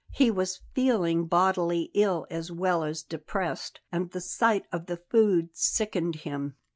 He was feeling bodily ill as well as depressed; and the sight of the food sickened him.